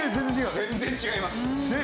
全然違います。